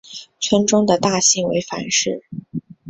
村中的大姓为樊氏。